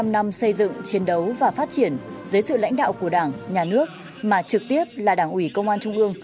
bảy mươi năm năm xây dựng chiến đấu và phát triển dưới sự lãnh đạo của đảng nhà nước mà trực tiếp là đảng ủy công an trung ương